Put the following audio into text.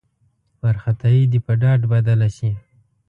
وارخطايي دې په ډاډ بدله شي.